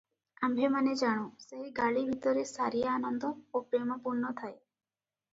ଆମ୍ଭେମାନେ ଜାଣୁ, ସେହି ଗାଳି ଭିତରେ ସାରିଆ ଆନନ୍ଦ ଓ ପ୍ରେମ ପୂର୍ଣ୍ଣ ଥାଏ ।